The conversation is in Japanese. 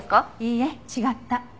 いいえ違った。